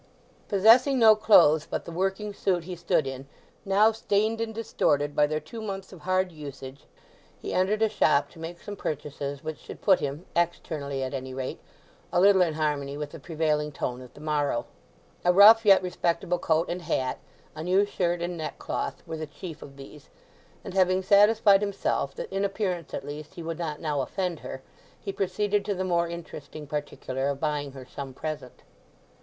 Possessing no clothes but the working suit he stood in—now stained and distorted by their two months of hard usage, he entered a shop to make some purchases which should put him, externally at any rate, a little in harmony with the prevailing tone of the morrow. A rough yet respectable coat and hat, a new shirt and neck cloth, were the chief of these; and having satisfied himself that in appearance at least he would not now offend her, he proceeded to the more interesting particular of buying her some present.